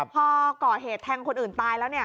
พอก่อเหตุแทงคนอื่นตายแล้ว